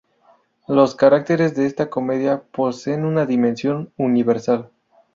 Los caracteres de esta comedia poseen una dimensión universal.